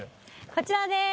こちらです！